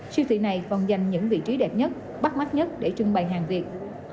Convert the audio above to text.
siêu thị này còn dành những vị trí đẹp nhất bắt mắt nhất để trưng bày hàng việt